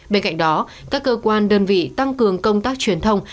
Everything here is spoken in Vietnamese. bên cạnh đó các cơ quan đơn vị tăng cường công tác truyền thông